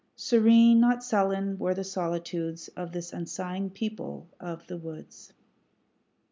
Serene, not sullen, were the solitudes Of this unsighing people of the woods.